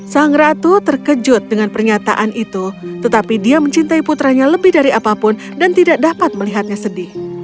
sang ratu terkejut dengan pernyataan itu tetapi dia mencintai putranya lebih dari apapun dan tidak dapat melihatnya sedih